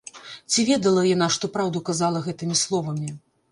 Ці ведала яна, што праўду казала гэтымі словамі?